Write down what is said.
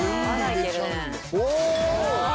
お！